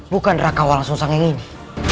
bukan raka walang susang yang ini